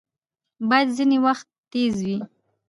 باد ځینې وخت تیز وي